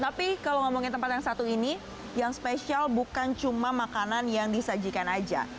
tapi kalau ngomongin tempat yang satu ini yang spesial bukan cuma makanan yang disajikan aja